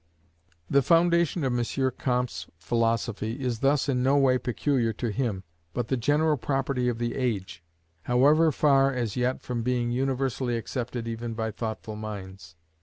The foundation of M. Comte's philosophy is thus in no way peculiar to him, but the general property of the age, however far as yet from being universally accepted even by thoughtful minds.